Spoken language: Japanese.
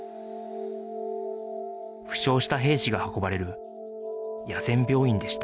負傷した兵士が運ばれる野戦病院でした